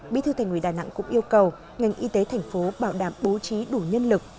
bí thư thành ủy đà nẵng cũng yêu cầu ngành y tế thành phố bảo đảm bố trí đủ nhân lực